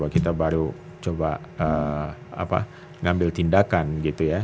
kita baru coba ngambil tindakan gitu ya